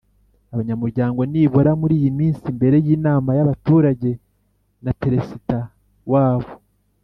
abanyamuryango nibura muri yiminsi mbere y inama y’ abaturage na peresida wabo